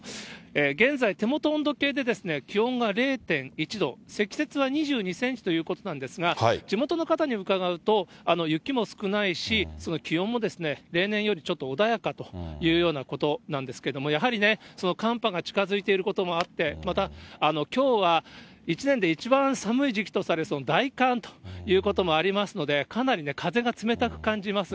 現在、手元温度計で気温が０．１度、積雪は２２センチということなんですが、地元の方に伺うと、雪も少ないし、気温も例年よりちょっと穏やかというようなことなんですけども、やはりね、寒波が近づいていることもあって、またきょうは、一年で一番寒い時期とされる大寒ということもありますので、かなり風が冷たく感じます。